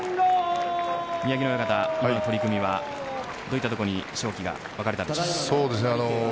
宮城野親方、今の取組はどういったところに勝機が分かれましたか？